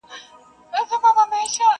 د هر چا په لاس کي خپله عریضه وه!